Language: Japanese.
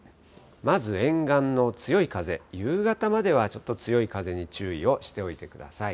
まず沿岸の強い風、夕方まではちょっと強い風に注意をしておいてください。